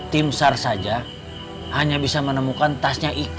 tim sar saja hanya bisa menemukan tasnya ik